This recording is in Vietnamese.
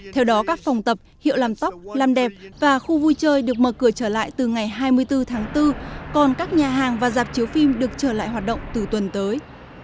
theo đó các phòng tập hiệu làm tóc làm đẹp và khu vui chơi được mở cửa trở lại từ ngày hai mươi bốn tháng bốn còn các nhà hàng và dạp chiếu phim được trở lại hoạt động từ tuần tới